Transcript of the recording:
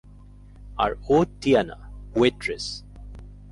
আর ও Tiana, waitress.